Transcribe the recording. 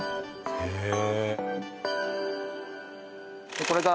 へえ！